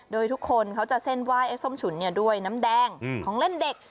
โดยทุกคนเขาจะเส้นไหว้ไอ้ส้มฉุนด้วยน้ำแดงของเล่นเด็ก